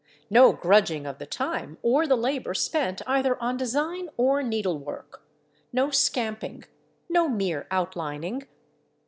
No grudging of the time or the labour spent either on design or needlework; no scamping; no mere outlining.